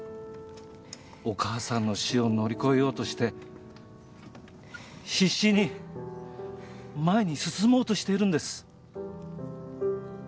お母さんの死を乗り越えようとして必死に前に進もうとしているんです。